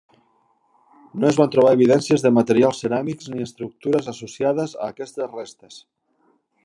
No es van trobar evidències de materials ceràmics ni estructures associades a aquestes restes.